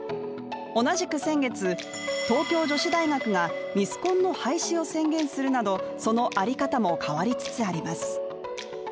同じく先月、東京女子大学がミスコンの廃止を宣言するなどその在り方も変わりつつあります。